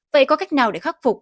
vậy có cách nào để khắc phục